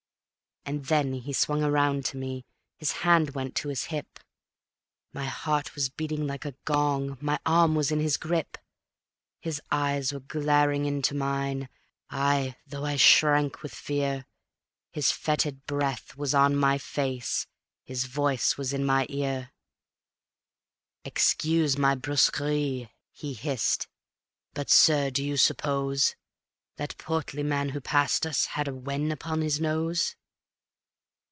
And then he swung around to me, his hand went to his hip, My heart was beating like a gong my arm was in his grip; His eyes were glaring into mine; aye, though I shrank with fear, His fetid breath was on my face, his voice was in my ear: "Excuse my brusquerie," he hissed; "but, sir, do you suppose That portly man who passed us had a _wen upon his nose?